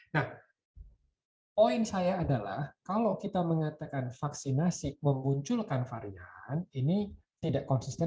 nah poin saya adalah kalau kita mengatakan vaksinasi memunculkan varian ini tidak konsisten